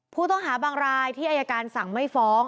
ผู้ต้องหาบางรายที่อายการสั่งไม่ฟ้อง